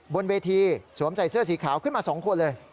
บนเวทีสวมใส่เสื้อสีขาวขึ้นมา๒คนเลย